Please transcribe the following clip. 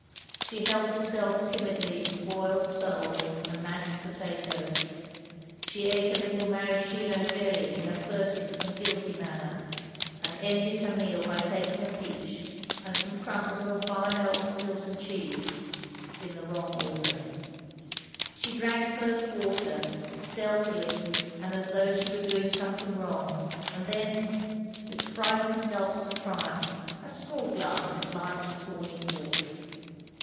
She helped herself timidly to boiled sole and mashed potato. She ate a little maraschino jelly in a furtive and guilty manner, and ended her meal by taking a peach, and some crumbs of a fine old Stilton cheese, in the wrong order. She drank first water, stealthily and as though she were doing something wrong; and then, with frightened gulps of triumph, a small glass of light tawny port.